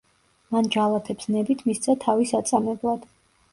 მან ჯალათებს ნებით მისცა თავი საწამებლად.